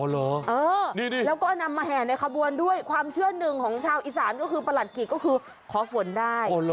แล้วก็นำมาแห่ในขบวนด้วยความเชื่อหนึ่งของชาวอีสานก็คือประหลัดกิกก็คือขอฝนได้